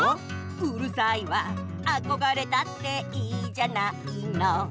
「うるさいわあこがれたっていいじゃないの！」